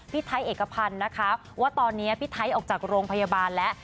พี่ไทยเอกพันธ์นะคะว่าตอนนี้พี่ไทยออกจากโรงพยาบาลแล้ว